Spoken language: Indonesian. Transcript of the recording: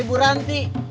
hai bu ranti